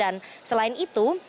dan selain itu